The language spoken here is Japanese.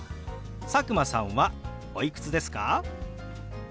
佐久間さんはおいくつですか？